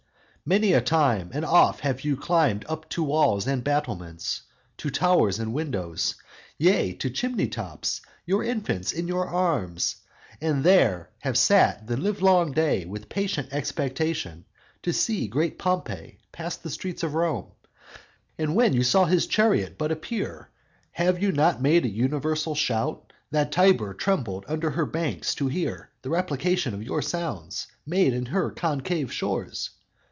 Many a time and oft Have you climbed up to walls and battlements, To towers and windows, yea, to chimney tops, Your infants in your arms, and there have sat The livelong day, with patient expectation, To see great Pompey pass the streets of Rome; And when you saw his chariot but appear, Have you not made a universal shout, That Tiber trembled underneath her banks, To hear the replication of your sounds, Made in her concave shores?